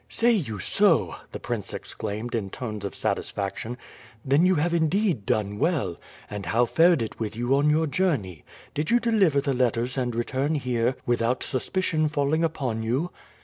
"Say you so!" the prince exclaimed in tones of satisfaction. "Then you have indeed done well. And how fared it with you on your journey? Did you deliver the letters and return here without suspicion falling upon you?"